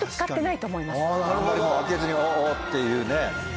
あんまり開けずに「おお」っていうね。